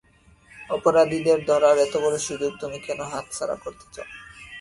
অপরাধীদের ধরার এতবড় সুযোগ তুমি কেন হাতছাড়া করতে চাও?